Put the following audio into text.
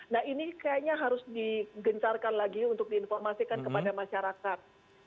nah ini kayaknya harus digencarkan lagi untuk diinformasikan kepada masyarakat